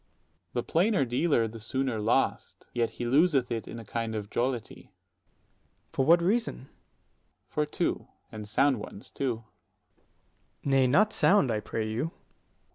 Dro. S. The plainer dealer, the sooner lost: yet he loseth it in a kind of jollity. Ant. S. For what reason? Dro. S. For two; and sound ones too. 90 Ant. S. Nay, not sound, I pray you.